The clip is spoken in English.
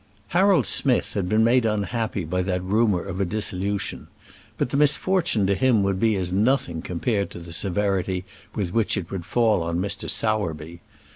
Harold Smith had been made unhappy by that rumour of a dissolution; but the misfortune to him would be as nothing compared to the severity with which it would fall on Mr. Sowerby.